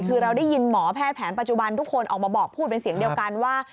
คือเราได้ยินหมอแพทย์แผนปัจจุบันทุกคนออกมาบอกพูดเป็นเสียงเดียวกันว่า